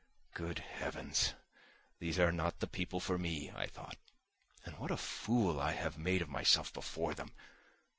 "Good Heavens, these are not the people for me!" I thought. "And what a fool I have made of myself before them!